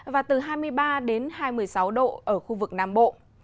và từ hai mươi ba đến hai mươi sáu độ ở khu vực nam bộ